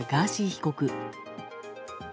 被告。